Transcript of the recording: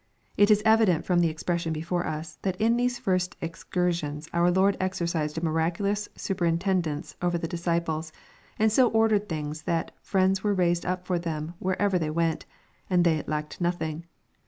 It is evident from the expression before us, that in these first excursions our Lord exercised a miraculous superintendence over the disciples, and so ordered things that friends were raised up for them wherever they went, and they " lacked nothing."